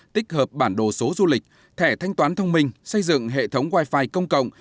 tích hợp bản đồ số du lịch thẻ thanh toán thông minh xây dựng hệ thống wifi công cộng